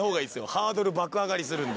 ハードル爆上がりするんで。